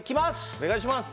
お願いします。